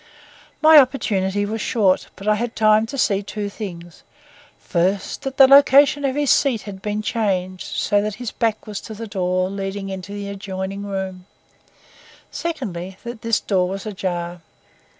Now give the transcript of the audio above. My opportunity was short, but I had time to see two things: first, that the location of his seat had been changed so that his back was to the door leading into the adjoining room; secondly, that this door was ajar.